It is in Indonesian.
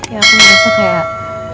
ya aku merasa kayak